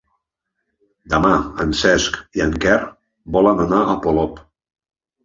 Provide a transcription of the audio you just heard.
Demà en Cesc i en Quer volen anar a Polop.